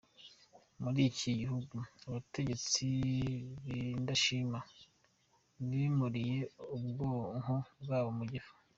Muri iki gihugu, abategetsi bindashima bimuriye ubwonko bwabo mu gifu.